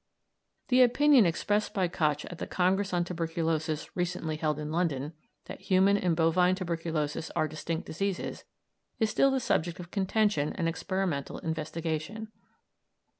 The opinion expressed by Koch at the Congress on Tuberculosis recently held in London, that human and bovine tuberculosis are distinct diseases, is still the subject of contention and experimental investigation.